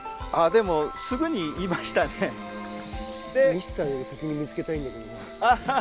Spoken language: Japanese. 西さんより先に見つけたいんだけどな。